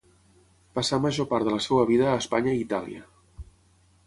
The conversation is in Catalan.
Passà major part de la seva vida a Espanya i Itàlia.